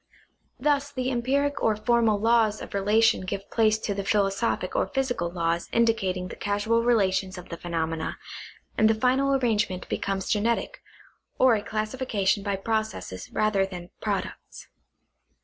Thus the empiric or formal laws of relation give place to philosophic or physical laws indicating the casual relations of the phenomena, and the final arrangement becomes genetic, or a classification by processes rather than products.